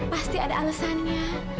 pasti ada alesannya